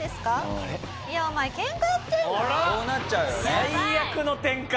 最悪の展開。